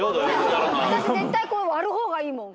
私絶対割る方がいいもん。